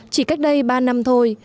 chỉ cách đây ba năm thôi